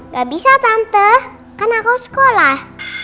gak bisa tante karena aku sekolah